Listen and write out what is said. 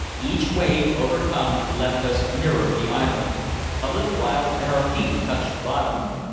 Each wave, overcome, left us nearer the islet, a little while and our feet touched bottom.